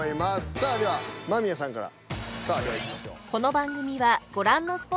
さあでは間宮さんから。